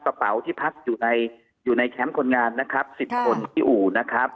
กระเป๋าที่พักอยู่ในอยู่ในแคมป์คนงานนะครับ๑๐คนที่อู่นะครับ